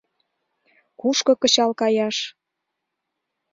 «Кушко кычал каяш?